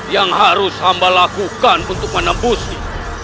yang harus hamba lakukan untuk menembusnya